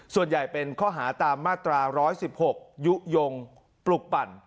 ส่วนใหญ่เป็นข้อหาตามมาตรา๑๑๖ยุโยงปลุกปั่น